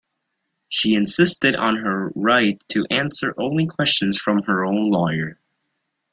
She insisted on her right to answer only questions from her own lawyer.